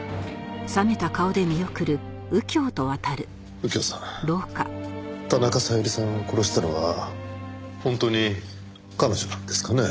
右京さん田中小百合さんを殺したのは本当に彼女なんですかね？